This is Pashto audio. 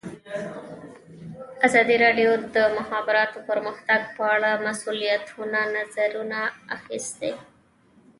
ازادي راډیو د د مخابراتو پرمختګ په اړه د مسؤلینو نظرونه اخیستي.